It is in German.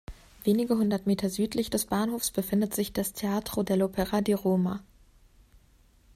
Wenige hundert Meter südlich des Bahnhofs befindet sich das Teatro dell’Opera di Roma.